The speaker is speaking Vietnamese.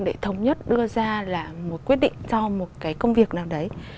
để thống nhất đưa ra là một quyết định cho một cái công việc nào đấy